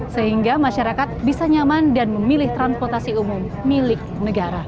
sehingga masyarakat bisa nyaman dan memilih transportasi umum milik negara